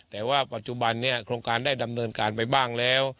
แต่ว่าปัจจุบันนี้โครงการได้ดำเนินการไปบ้างแล้ว